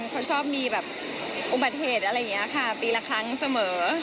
เขาชอบมีแบบอุบัติเหตุอะไรอย่างนี้ค่ะปีละครั้งเสมอ